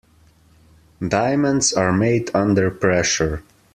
Diamonds are made under pressure.